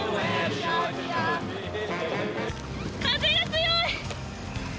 風が強い。